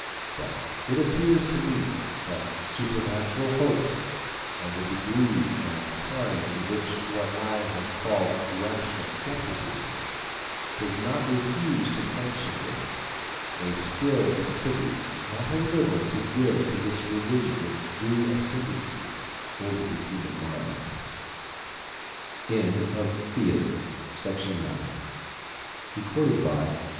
But it appears to me that supernatural hopes, in the degree and kind in which what I have called rational scepticism does not refuse to sanction them, may still con tribute not a little to give to this religion its due ascendancy over the human mind. FINIS LONDON : SAVILL, EDWARDS AND co.